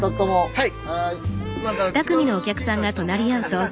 はい。